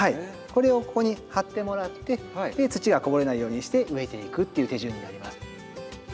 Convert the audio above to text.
これをここに貼ってもらって土がこぼれないようにして植えていくっていう手順になります。